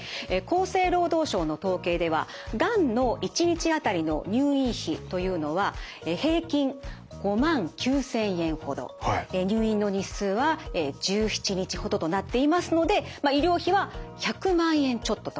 厚生労働省の統計ではがんの１日あたりの入院費というのは平均５万９，０００円ほど入院の日数は１７日ほどとなっていますのでまあ医療費は１００万円ちょっととなります。